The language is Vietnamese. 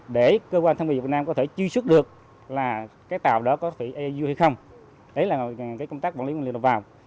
để cơ quan thông minh việt nam có thể truy xuất được là cái tàu đó có bị eu hay không đấy là cái công tác quản lý liên hợp vào